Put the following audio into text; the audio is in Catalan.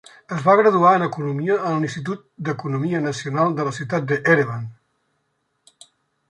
Es va graduar en Economia en l'Institut d'Economia Nacional de la ciutat d'Erevan.